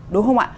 đúng không ạ